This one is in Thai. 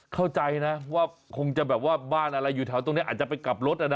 เข้าใจนะว่าคงจะแบบว่าบ้านอะไรอยู่แถวตรงนี้อาจจะไปกลับรถนะ